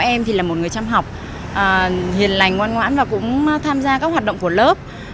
các em thì là một người chăm học hiền lành ngoan ngoãn và cũng tham gia các hoạt động của lớp